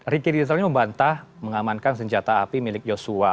riki rizal ini membantah mengamankan senjata api milik joshua